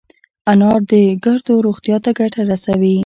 انار د ګردو روغتیا ته ګټه رسوي.